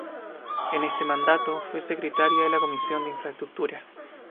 En este Mandato fue Secretaria de la Comisión de Infraestructuras.